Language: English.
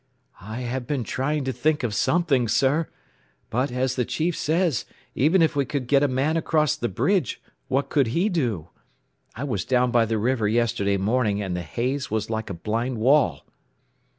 "I have been trying to think of something, sir. But, as the chief says, even if we could get a man across the bridge, what could he do? I was down by the river yesterday morning, and the haze was like a blind wall."